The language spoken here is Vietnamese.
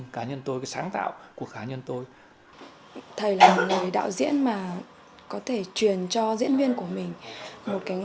chào cháu mừng năm mới